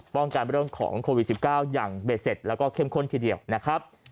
ป้องกันเรื่องของโควิด๑๙อย่างเบ็ดเสร็จแล้วก็เข้มข้นทีเดียวนะครับ